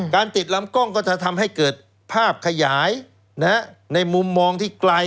ติดลำกล้องก็จะทำให้เกิดภาพขยายในมุมมองที่ไกล